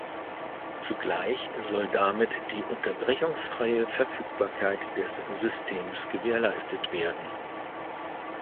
Zugleich soll damit die unterbrechungsfreie Verfügbarkeit des Systems gewährleistet werden.